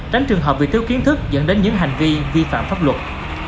tránh trường hợp bị thiếu kiến thức dẫn đến những hành vi vi phạm pháp luật